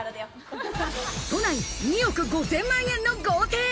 都内２億５０００万円の豪邸。